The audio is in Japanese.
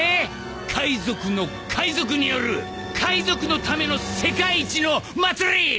海賊の海賊による海賊のための世界一の祭り！